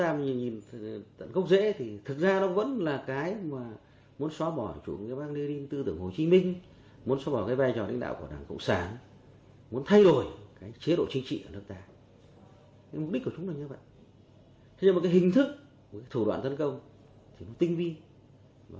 mục đích của chúng là như vậy thế nhưng mà cái hình thức của thủ đoạn dân công thì nó tinh viên